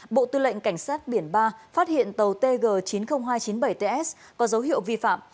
bộ tư lệnh cảnh sát biển ba phát hiện tàu tg chín mươi nghìn hai trăm chín mươi bảy ts có dấu hiệu vi phạm